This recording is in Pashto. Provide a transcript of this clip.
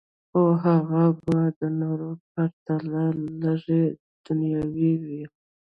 خو هغه د نورو په پرتله لږې دنیاوي وې